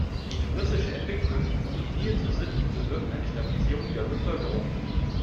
Die touristische Entwicklung und die Nähe zu Sitten bewirkten eine Stabilisierung der Bevölkerung.